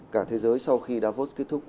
cả thế giới sau khi davos kết thúc